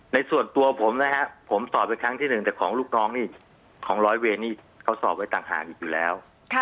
ในส่วนตัวผมนะครับผมสอบไปครั้งที่หนึ่งแต่ของลูกน้องนี่ของร้อยเวรนี่เขาสอบไว้ต่างหากอีกอยู่แล้ว